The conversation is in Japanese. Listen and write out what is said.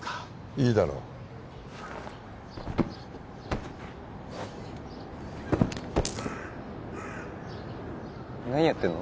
いいだろう何やってんの？